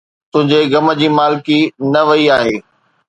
تنھنجي غم جي مالڪي نه وئي آھي